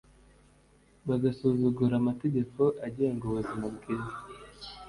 bagasuzugura amategeko agenga ubuzima bwiza